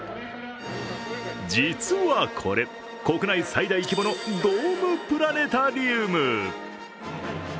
実はこれ、国内最大規模のドームプラネタリウム。